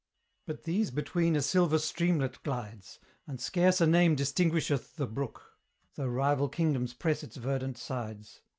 But these between a silver streamlet glides, And scarce a name distinguisheth the brook, Though rival kingdoms press its verdant sides.